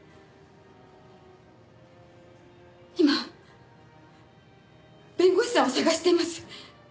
今弁護士さんを探しています。